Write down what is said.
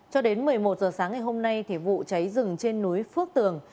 cho đến một mươi một h sáng ngày hôm nay vụ cháy rừng trên núi phước tường